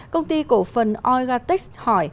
công ty cổ phần oil gas tech